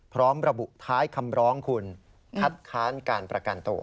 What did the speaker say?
พร้อมระบุท้ายคำร้องคุณคัดค้านการประกันตัว